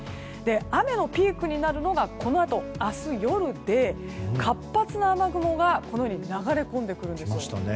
雨のピークになるのがこのあと明日夜で活発な雨雲が流れ込んでくるんですよ。